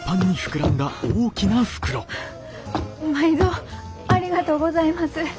ハハ毎度ありがとうございます。